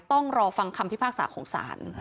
ต้องรอฟังคำพิพากษาของศาล